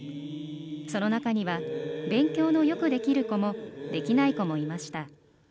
その中には勉強のよくできる子もできない子もいました。